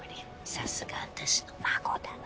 さすが私の孫だわ。